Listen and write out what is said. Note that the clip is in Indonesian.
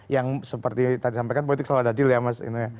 yang seperti tadi sampaikan politik selalu ada deal ya mas